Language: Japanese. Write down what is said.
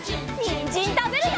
にんじんたべるよ！